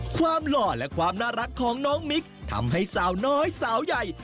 หล่อและความน่ารักของน้องมิคทำให้สาวน้อยสาวใหญ่